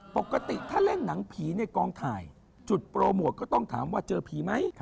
ปกติถ้าเล่นหนังผีในกองถ่ายจุดโปรโมทก็ต้องถามว่าเจอผีไหม